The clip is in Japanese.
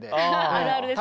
あるあるです。